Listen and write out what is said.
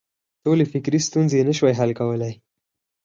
ټولې فکري ستونزې یې نه شوای حل کولای.